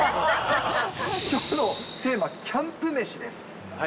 きょうのテーマ、キャンプ飯はい。